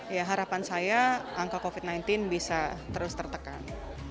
ya harapan saya angka covid sembilan belas bisa terus tertekan